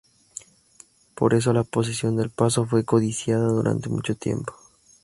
Por eso la posesión del paso fue codiciada durante mucho tiempo.